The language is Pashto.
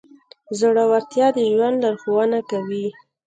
زړهورتیا د ژوند لارښوونه کوي.